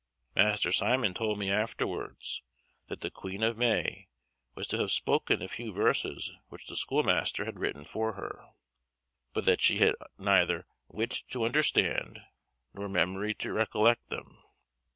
Master Simon told me, afterwards, that the Queen of May was to have spoken a few verses which the schoolmaster had written for her; but that she had neither wit to understand, nor memory to recollect them.